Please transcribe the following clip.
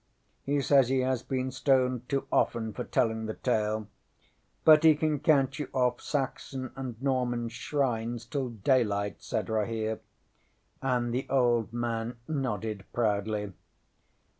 He says he has been stoned too often for telling the tale. But he can count you off Saxon and Norman shrines till daylight, ŌĆØ said Rahere and the old man nodded proudly.